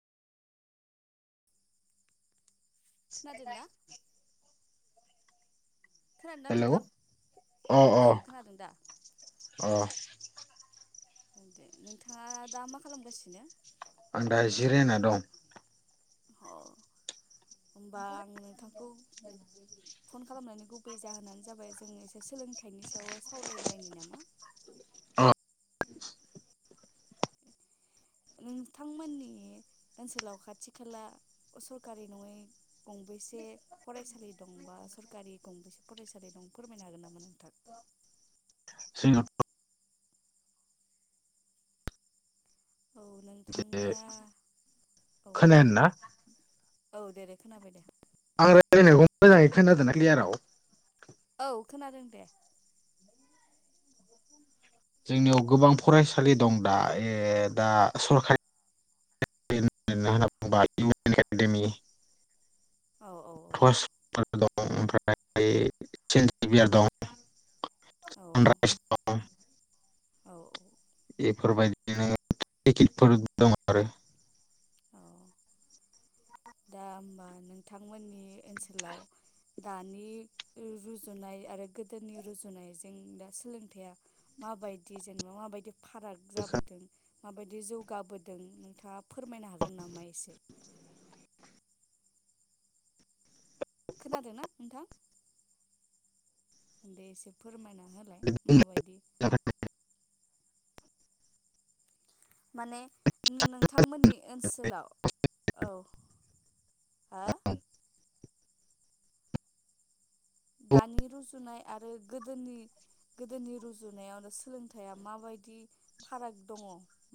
खोनादोंना [inaudible] खोनादोंना हेलै नोंथां अ अ औ खोनादों दा अ [inaudible] दे नोंथाङा दा मा खालामगासिनो आं दा जिरायना दं अ होमबा आं नोंथां [inaudible] गुबै जाहोनानो जाबाय जों एसे सोलोंथाइनि सायाव सावरायलायनि नामा अ नोंथांमोननि ओनसोलाव खाथि खाला सरखारि नङै गंबैसे फरायसालि दं बा सरखारि गंबेसे फरायसालि दं फोरमायनो हागोन नामा नोंथां [unintelligible] औ जे नोंथांनिया औ [unintelligible] औ दे दे खोनाबाय दे आं रायजलायनायखौ मोजाङै खोनादोंना क्लियाराव औ खोनादों दे जोंनियाव गोबां फरायसालि दं दा ए दा सरखारि [unintelligible] औ औ फस [unintelligible] दं ओमफ्राय सेन जि बि आर दं औ [unintelligible] [inaudible] बेफोरबायदिनो [unintelligible] फोर दं आरो औ औ दा होमबा नोंथांमोननि ओनसोलाव दानि रुजुनाय आरो गोदोनि रुजुनायजों दा सोलोंथाइया माबायदि जेन माबायदि फाराग आरो जाबोदों? माबायदि जौगाबोदों नोंथाङा फोरमायनो हागोन नामा एसे? खोनादोंना नोंथां दे एसे फोरमायना होलाय माबायदि माने नोंथांमोननि ओनसोलाव औ हा दानि रुजुनाय आरो गोदोनि गोदोनि रुजुनायावनो सोलोंथाइया माबायदि फाराग दङ?